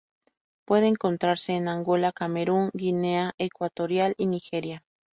Puede encontrarse en Angola, Camerún, Guinea Ecuatorial y Nigeria.